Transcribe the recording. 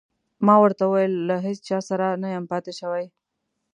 ما ورته وویل: له هیڅ چا سره نه یم پاتې شوی.